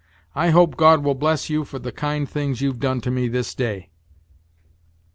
I hope God will bless you for the kind things you've done to me this day."